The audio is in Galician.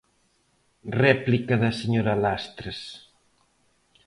Réplica da señora Lastres.